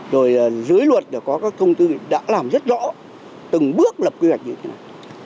rồi dưới luật đã có các thông tư đã làm rất rõ từng bước lập quy hoạch như thế này